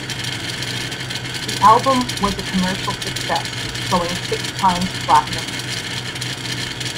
The album was a commercial success, going six-times platinum.